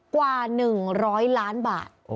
กว่า๑๐๐ล้านบาท